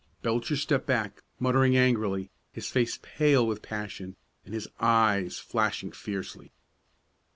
Belcher stepped back, muttering angrily, his face pale with passion and his eyes flashing fiercely.